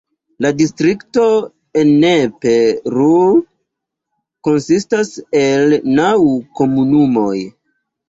La distrikto Ennepe-Ruhr konsistas el naŭ komunumoj.